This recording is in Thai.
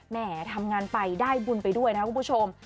แหมทำงานไปได้บุญไปด้วยนะครับคุณผู้ชม